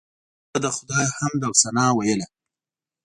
هغه د خدای حمد او ثنا ویله.